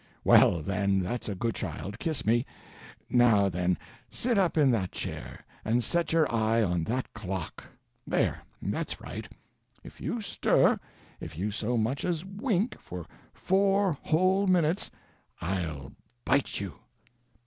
"Well, then, that's a good child—kiss me. Now, then, sit up in that chair, and set your eye on that clock. There—that's right. If you stir—if you so much as wink—for four whole minutes, I'll bite you!"